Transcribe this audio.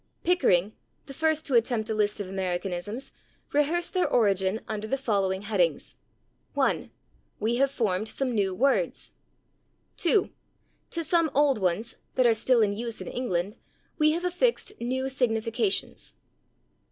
Pickering, the first to attempt a list of Americanisms, rehearsed their origin under the following headings: 1. "We have formed some new words." 2. "To some old ones, that are still in use in England, we have affixed new significations."